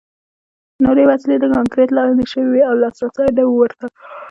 نورې وسلې د کانکریټ لاندې شوې وې او لاسرسی نه ورته و